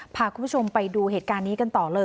พาคุณผู้ชมไปดูเหตุการณ์นี้กันต่อเลย